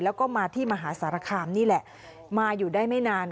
แล้วก็มาที่มหาสารคามนี่แหละมาอยู่ได้ไม่นาน